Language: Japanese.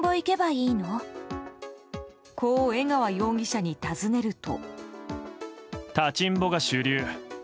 こう江川容疑者に尋ねると。